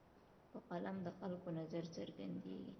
په قلم د خلکو نظر څرګندېږي.